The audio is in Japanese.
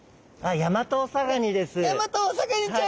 ヤマトオサガニちゃん。